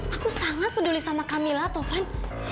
aku sangat peduli sama camilla tovan